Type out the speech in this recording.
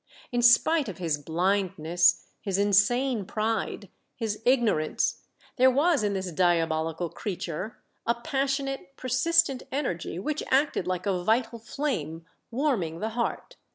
In spite of his blind ness, his insane pride, his ignorance, there was in this diabolical creature a passionate, persistent energy which acted like a vital flame warming the heart.